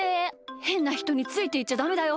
へんなひとについていっちゃダメだよ。